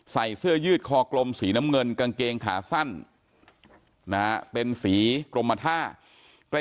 ใส่เสื้อยืดคอกลมสีน้ำเงินกางเกงขาสั้นนะฮะเป็นสีกรมท่าใกล้